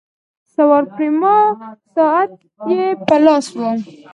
سوار پریما ساعت یې په لاس وو.